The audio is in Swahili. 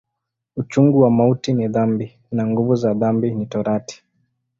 Uchungu wa mauti ni dhambi, na nguvu za dhambi ni Torati.